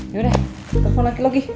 yaudah telfon lagi logi